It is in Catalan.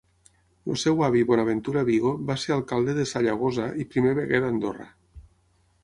El seu avi Bonaventura Vigo va ser alcalde de Sallagosa i primer veguer d'Andorra.